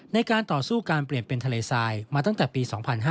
ในการต่อสู้การเปลี่ยนเป็นทะเลทรายมาตั้งแต่ปี๒๕๕๙